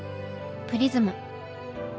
「プリズム」。